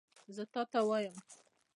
زه تا ته وایم !